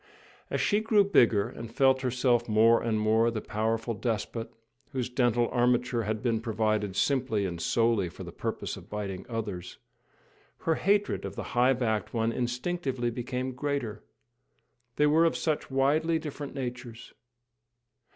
As she grew bigger, and felt herself more and more the powerful despot, whose dental armature had been provided simply and solely for the purpose of biting others, her hatred of the high backed one instinctively became greater. They were of such widely different natures!